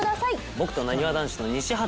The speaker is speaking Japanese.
僕となにわ男子の西畑大吾